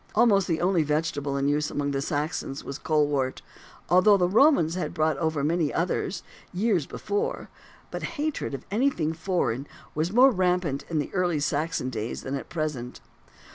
Almost the only vegetable in use amongst the Saxons was colewort, although the Romans had brought over many others, years before; but hatred of anything foreign was more rampant in early Saxon days than at present.